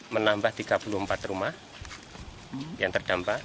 menambah tiga puluh empat rumah yang terdampak